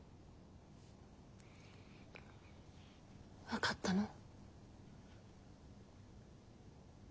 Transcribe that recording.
分かったの？